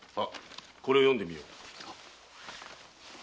これを読んでみよ。